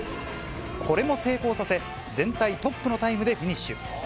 これも成功させ、全体トップのタイムでフィニッシュ。